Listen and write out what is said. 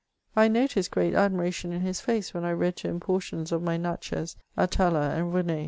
I noticed great admiration in his face, when I read to him por tions of my " Natchez," « Atala, and " Ren6."